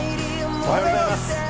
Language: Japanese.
おはようございます。